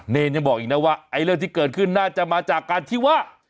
เนรยังบอกอีกนะว่าไอ้เรื่องที่เกิดขึ้นน่าจะมาจากการที่ว่า